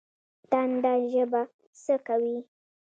تنده ژبه څه کوي؟